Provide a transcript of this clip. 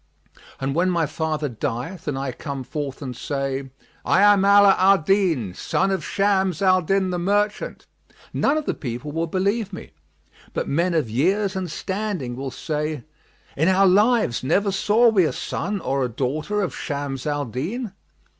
And when my father dieth and I come forth and say, 'I am Ala al Din, son of Shams al Din the merchant', none of the people will believe me, but men of years and standing will say, 'In our lives never saw we a son or a daughter of Shams al Din.'